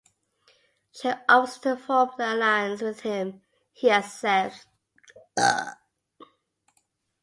She offers to form an alliance with him; he accepts.